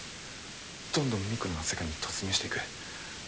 どんどんミクロの世界に突入していく。